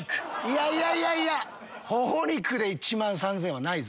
いやいやいやいやホホ肉で１万３０００円はない。